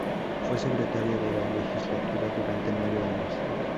Fue secretario de la legislatura durante nueve años.